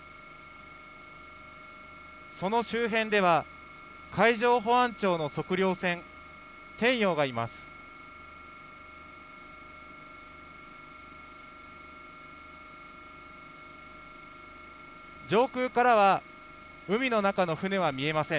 その周辺では海上保安庁の測量船、天洋がいます。